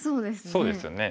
そうですよね。